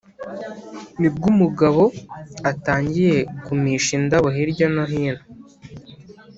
ni bwo umugabo atangiye kumisha indabo hirya no hino